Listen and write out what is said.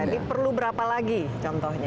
ini perlu berapa lagi contohnya